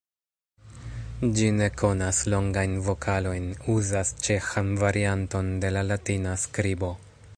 Ĝi ne konas longajn vokalojn, uzas ĉeĥan varianton de la latina skribo.